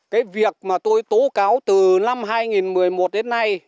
cái việc mà tôi tố cáo từ năm hai nghìn một mươi một đến nay